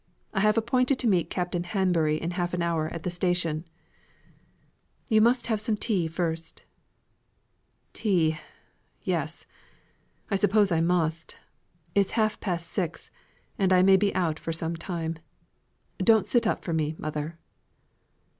I have appointed to meet Captain Hanbury in half an hour at the station." "You must have some tea first." "Tea! Yes, I suppose I must. It's half past six, and I may be out for some time. Don't sit up for me, mother."